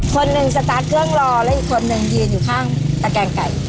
คนหนึ่งสตาร์ทเครื่องรอแล้วอีกคนนึงยืนอยู่ข้างตะแกงไก่